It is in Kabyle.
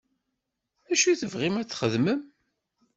Acu tebɣiḍ ad t-texdem?